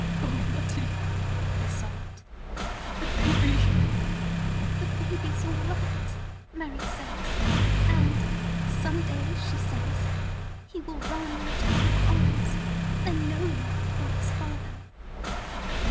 "O Letty!" he sobbed "the baby!" "The baby's all right, Mary says; and, some day, she says, he will run into your arms, and know you for his father."